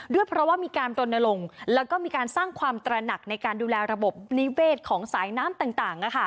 ด้วยเพราะว่ามีการรณรงค์แล้วก็มีการสร้างความตระหนักในการดูแลระบบนิเวศของสายน้ำต่าง